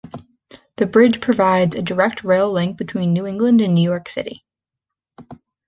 The bridge provides a direct rail link between New England and New York City.